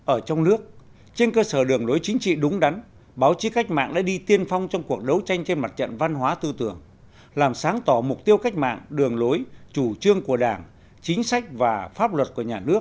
ở trong nước trên cơ sở đường lối chính trị đúng đắn báo chí cách mạng đã đi tiên phong trong cuộc đấu tranh trên mặt trận văn hóa tư tưởng làm sáng tỏ mục tiêu cách mạng đường lối chủ trương của đảng chính sách và pháp luật của nhà nước